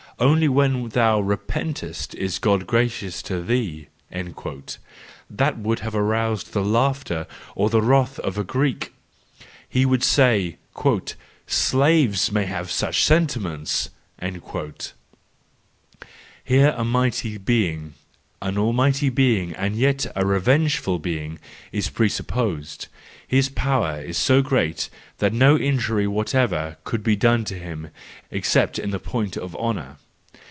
Only when thou repentest is God gracious to thee"—that would arouse the laughter or the wrath of a Greek: he would say, " Slaves tnay have such sentiments." Here a mighty being, an almighty being, and yet a re¬ vengeful being, is presupposed; his power is so great that no injury whatever can be done to him, except in the point of honour.